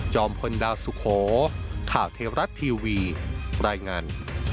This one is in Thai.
พลดาวสุโขข่าวเทวรัฐทีวีรายงาน